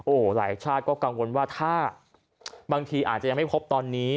โอ้โหหลายชาติก็กังวลว่าถ้าบางทีอาจจะยังไม่พบตอนนี้